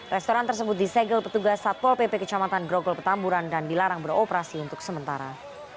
restoran tersebut disegel petugas satpol pp kecamatan grogol petamburan dan dilarang beroperasi untuk sementara